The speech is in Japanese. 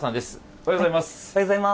おはようございます。